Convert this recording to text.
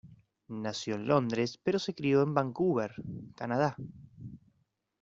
Nació en Londres, pero se crio en Vancouver, Canadá.